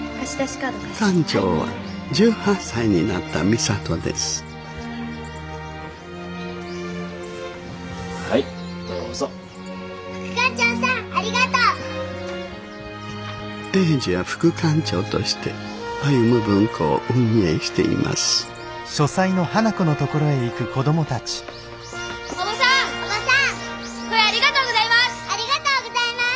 これありがとうございます！